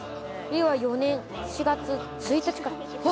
令和４年４月１日から。